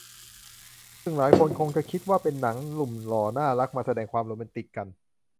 ซึ่งหลายคนคงคิดว่าคงเป็นหนังหนุ่มหล่อน่ารักมาแสดงความโรแมนติกกัน